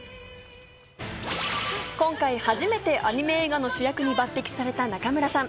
今回、初めてアニメ映画の主役に抜擢された中村さん。